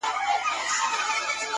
• لکه پاڼه د خزان باد به مي یوسي,